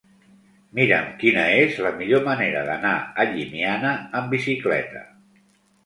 Mira'm quina és la millor manera d'anar a Llimiana amb bicicleta.